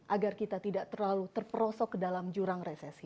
agar kita tidak terlalu terperosok ke dalam jurang resesi